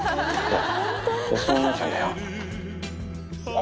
あ。